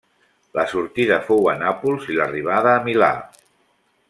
La sortida fou a Nàpols i l'arribada a Milà.